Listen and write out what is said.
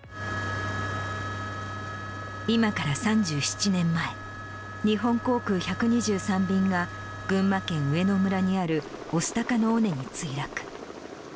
今から３７年前、日本航空１２３便が、群馬県上野村にある御巣鷹の尾根に墜落。